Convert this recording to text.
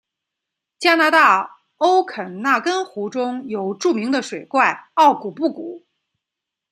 加拿大欧肯纳根湖中有著名的水怪奥古布古。